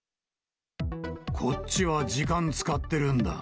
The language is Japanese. こっちは時間使ってるんだ。